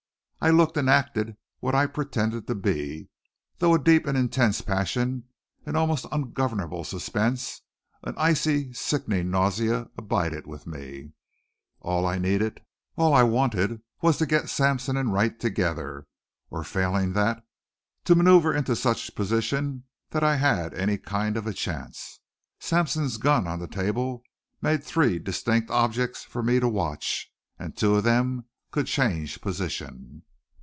I looked and acted what I pretended to be, though a deep and intense passion, an almost ungovernable suspense, an icy sickening nausea abided with me. All I needed, all I wanted was to get Sampson and Wright together, or failing that, to maneuver into such position that I had any kind of a chance. Sampson's gun on the table made three distinct objects for me to watch and two of them could change position.